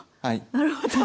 なるほど。